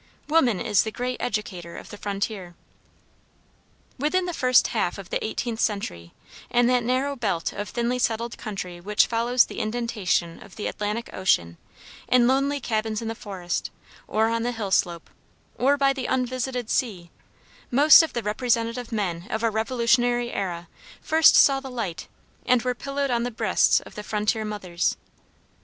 Woman is the great educator of the frontier. Within the first half of the 18th century, in that narrow belt of thinly settled country which follows the indentation of the Atlantic ocean, in lonely cabins in the forest, or on the, hill slope, or by the unvisited sea, most of the representative men of our Revolutionary Era first saw the light, and were pillowed on the breasts of the frontier mothers.